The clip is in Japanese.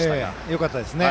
よかったですね。